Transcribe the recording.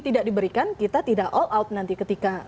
tidak diberikan kita tidak all out nanti ketika